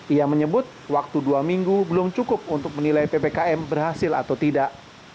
ia menyebut waktu dua minggu belum cukup untuk menilai ppkm berhasil atau tidak